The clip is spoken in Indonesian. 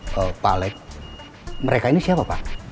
pak alex mereka ini siapa pak